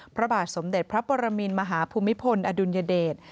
พระบาทสมเด็จพระปรมินมหาภูมิพลอดุลยเดช